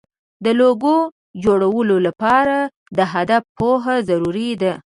د لوګو جوړولو لپاره د هدف پوهه ضروري ده.